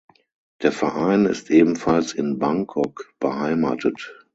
Der Verein ist ebenfalls in Bangkok beheimatet.